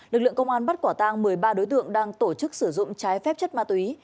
lực lượng công an bắt quả tang một mươi ba đối tượng đang tổ chức sử dụng trái phép chất ma túy